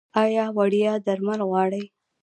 ایا وړیا درمل غواړئ؟